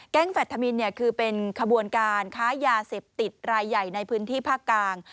แฟธมินคือเป็นขบวนการค้ายาเสพติดรายใหญ่ในพื้นที่ภาคกลาง